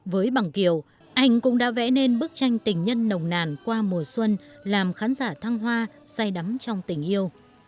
với bằng kiều anh cũng đã vẽ nên bức tranh tình nhân nồng nàn qua mùa xuân làm khán giả thăng hoa say đắm trong tình yêu